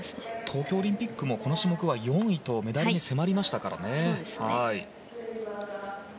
東京オリンピックもこの種目では４位とメダルに迫りましたからね。